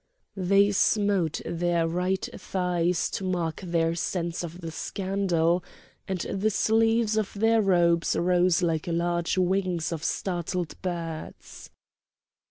They smote their right thighs to mark their sense of the scandal, and the sleeves of their robes rose like large wings of startled birds.